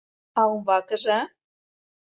— А умбакыже?